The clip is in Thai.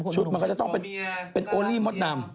ชุดมันก็จะต้องเป็นโอลิม่ดนำ